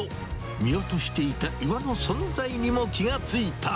見落としていた岩の存在にも気が付いた。